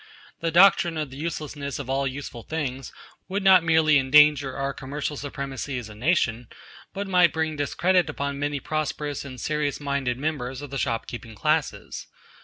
The doctrine of the uselessness of all useful things would not merely endanger our commercial supremacy as a nation, but might bring discredit upon many prosperous and serious minded members of the shop keeping classes.